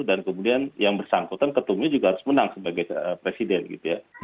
dan kemudian yang bersangkutan ketumnya juga harus menang sebagai presiden gitu ya